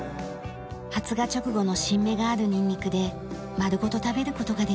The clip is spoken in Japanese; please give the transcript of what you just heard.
発芽直後の新芽があるニンニクで丸ごと食べる事ができます。